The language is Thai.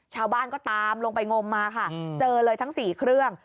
ชาวบ้านก็ตามลงไปงมมาค่ะเจอเลยทั้ง๔เครื่อง